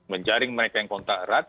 menjaring mereka yang kontak erat